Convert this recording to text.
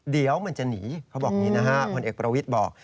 เดี๋ยวมันจะหนีเขาบอกอย่างนี้นะฮะพลเอกประวิทย์บอก